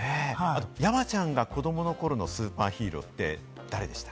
山ちゃんの子どもの頃のスーパーヒーローって誰でした？